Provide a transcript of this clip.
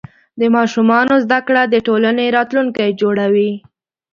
د ماشومانو زده کړه د ټولنې راتلونکی جوړوي.